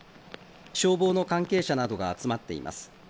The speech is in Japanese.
消防の関係者などが集まっています。